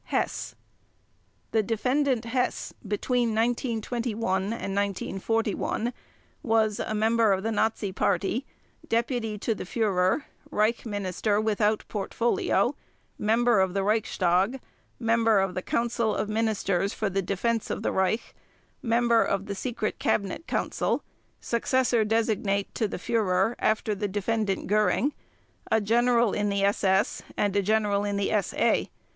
HESS: The Defendant HESS between 1921 and 1941 was: A member of the Nazi Party, Deputy to the Führer, Reich Minister without Portfolio, member of the Reichstag, member of the Council of Ministers for the Defense of the Reich, member of the Secret Cabinet Council, Successor Designate to the Führer after the Defendant Göring, a General in the SS and a General in the SA.